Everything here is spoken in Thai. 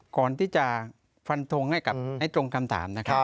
ก่อนที่จะฟันทงให้ตรงคำถาม